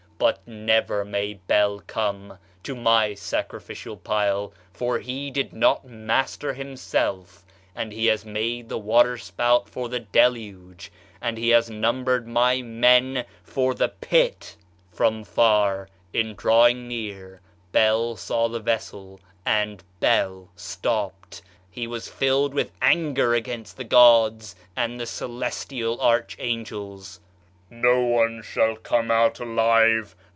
but never may Bel come to my sacrificial pile! for he did not master himself, and he has made the water spout for the Deluge, and he has numbered my men for the pit." "'From far, in drawing near, Bel saw the vessel, and Bel stopped; he was filled with anger against the gods and the celestial archangels: "'"No one shall come out alive!